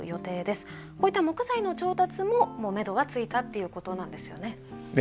こういった木材の調達ももうめどはついたっていうことなんですよね。